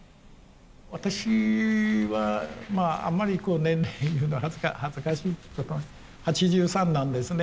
私はあんまりこう年齢言うのは恥ずかしいというか８３なんですね。